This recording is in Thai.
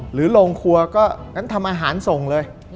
หรือโรงครัวก็งั้นทำอาหารส่งเลย